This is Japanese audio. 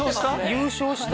優勝した？